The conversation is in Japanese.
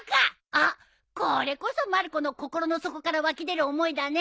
あっこれこそまる子の心の底から湧き出る思いだね。